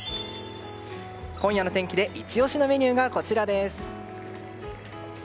今夜の天気でイチ押しのメニューがこちらです。